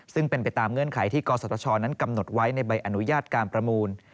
ซึ่งเป็นไปตามเงื่อนไขที่กศชนั้นกำหนดไว้ในใบอนุญาตการประมูล